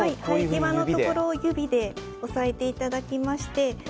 今のところを指で押さえていただきまして。